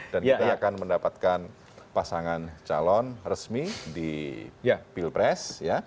dan kita akan mendapatkan pasangan calon resmi di pilpres